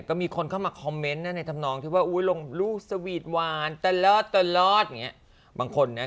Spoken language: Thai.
ก็มีคนเข้ามาคอมเมนต์ในธรรมนองที่ว่าลูกสวีทหวานตลอดบางคนนั้น